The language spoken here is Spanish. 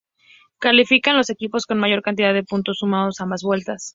Califican los equipos con mayor cantidad de puntos sumando ambas vueltas.